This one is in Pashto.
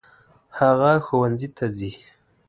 هغه ښوونځي ته ځي.